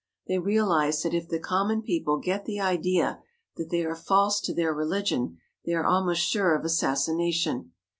They realize that if the common people get the idea that they are false to their religion, they are almost sure of assassination.